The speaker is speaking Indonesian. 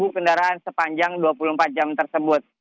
dua puluh lima kendaraan sepanjang dua puluh empat jam tersebut